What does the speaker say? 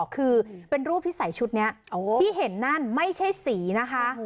คือเป็นรูปที่ใส่ชุดนี้ที่เห็นนั่นไม่ใช่สีนะคะ